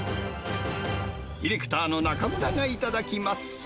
ディレクターのなかむらが頂きます。